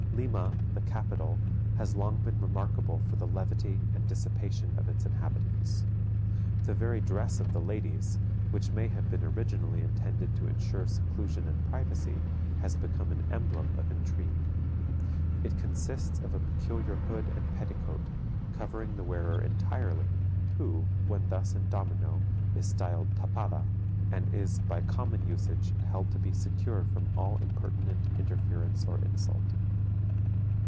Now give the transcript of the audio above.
Lima, the capital, has long been remarkable for the levity and dissipation of its inhabitants. The very dress of the ladies, which may have been originally intended to insure seclusion and privacy, has become an emblem of intrigue. It consists of a peculiar hood and petticoat, covering the wearer entirely, who, when thus in domino, is styled tapada, and is, by common usage, held to be secure from all impertinent interference or insult.